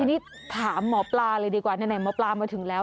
ทีนี้ถามหมอปลาเลยดีกว่าไหนหมอปลามาถึงแล้ว